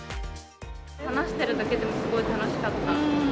話してるだけでも、すごい楽しかった。